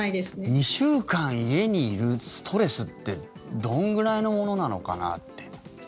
２週間家にいるストレスってどのぐらいのものなのかなって。